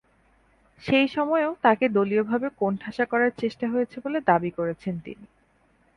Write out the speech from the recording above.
সেই সময়েও তাকে দলীয়ভাবে কোণঠাসা করার চেষ্টা হয়েছে বলে দাবি করেছেন তিনি।